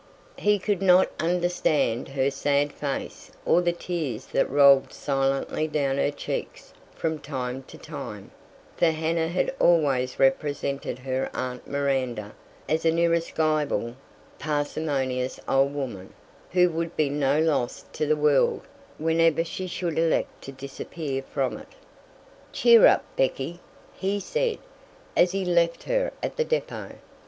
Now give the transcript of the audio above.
He could not understand her sad face or the tears that rolled silently down her cheeks from time to time; for Hannah had always represented her aunt Miranda as an irascible, parsimonious old woman, who would be no loss to the world whenever she should elect to disappear from it. "Cheer up, Becky!" he said, as he left her at the depot.